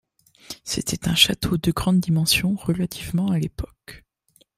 C'était un château de grandes dimensions, relativement à l'époque.